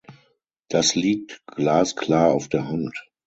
Das liegt glasklar auf der Hand.